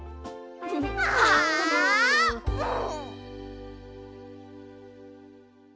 ああもう！